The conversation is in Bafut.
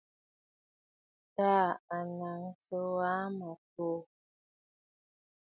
Taà à nɔʼɔ sɨŋ wa mmàʼà ǹto.